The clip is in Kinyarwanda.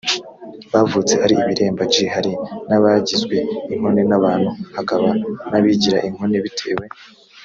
bavutse ari ibiremba g hari n abagizwe inkone n abantu hakaba n abigira inkone bitewe